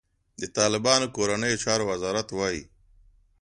د طالبانو کورنیو چارو وزارت وايي،